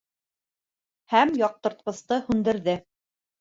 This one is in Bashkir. Һәм яҡтыртҡысты һүндерҙе.